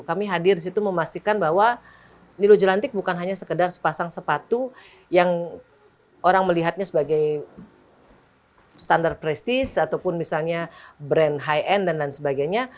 kami hadir di situ memastikan bahwa nilo jelantik bukan hanya sekedar sepasang sepatu yang orang melihatnya sebagai standar prestis ataupun misalnya brand high end dan lain sebagainya